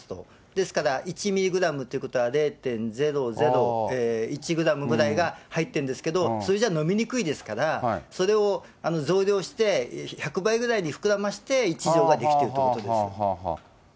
ですから１ミリグラムということは、０．００１グラムぐらいが入ってるんですけど、それじゃ飲みにくいですから、それを増量して、１００倍ぐらいに膨らませて、１錠が出来てるということです。